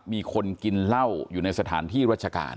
มีคนกินเหล้าอยู่ในสถานที่รัชการ